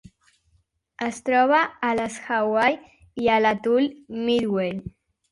Es troba a les Hawaii i a l'atol Midway.